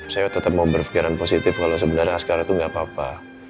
saya tetap mau berpikiran positif kalau sebenarnya sekarang itu nggak apa apa